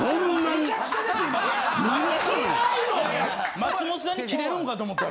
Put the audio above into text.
松本さんにキレるんかと思ったら。